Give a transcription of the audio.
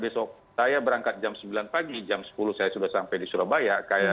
besok saya berangkat jam sembilan pagi jam sepuluh saya sudah sampai di surabaya